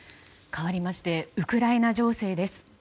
かわりましてウクライナ情勢です。